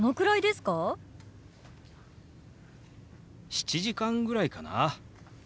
７時間ぐらいかな。